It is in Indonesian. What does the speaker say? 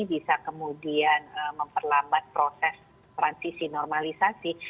bisa kemudian memperlambat proses transisi normalisasi